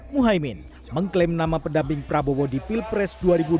muhaymin mengklaim nama pendamping prabowo di pilpres dua ribu dua puluh